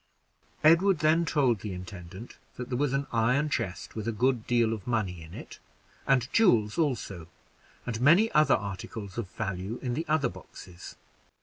Edward then told the intendant that there was an iron chest with a good deal of money in it, and jewels also, and many other articles of value in the other boxes.